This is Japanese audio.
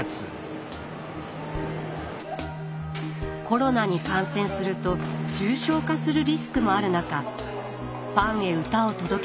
コロナに感染すると重症化するリスクもある中ファンへ歌を届けたいという思いで会場入り。